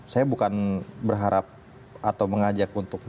saya bukan berharap atau mengajak untuk